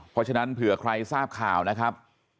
เพราะฉะนั้นเผื่อใครทราบข่าวนะครับ